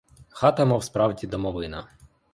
Хата мов справді домовина.